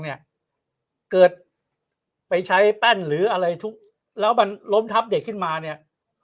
เกิดไปใช้แป้นหรืออะไรทุบแล้วมันล้มทับเด็กขึ้นมาเนี่ย